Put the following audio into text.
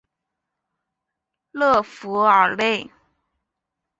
勒富尔内。